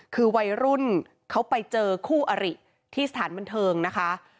คือวัยรุ่นเขาไปเจอคู่อริที่สถานบันเทิงนะคะ